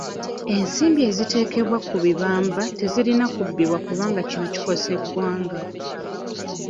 ensimbi eziteekebwa ku bibamba tezirina kubbibwa kubanga kino kikosa eggwanga.